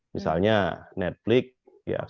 misalnya netflix sudah masuk dalam siaran ott